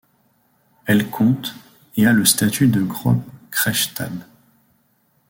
Elle compte et a le statut de Große Kreisstadt.